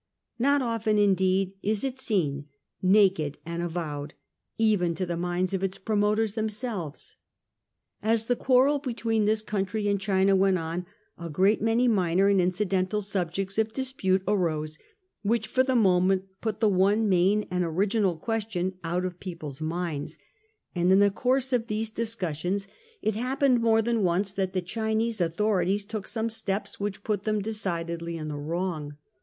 Not often, indeed, is it seen, naked and avowed, even in the minds of its promoters them selves. As the quarrel between this country and China want on, a great many minor and incidental subjects of dispute arose which for the moment put the one main and original question out of people's minds j and in the course of these discussions it hap 166 A HISTORY OF OIJR OWN TIMES. ch.toi. pened more than once that the Chinese authorities took some steps which put them decidedly in the wrong.